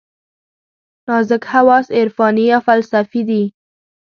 نازک حواس عرفاني یا فلسفي دي.